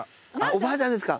おばあちゃんです。